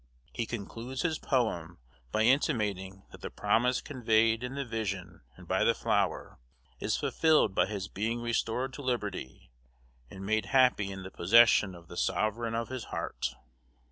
He concludes his poem by intimating that the promise conveyed in the vision and by the flower, is fulfilled by his being restored to liberty, and made happy in the possession of the sovereign of his heart.